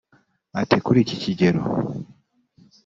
Ati "Kuri iki kigero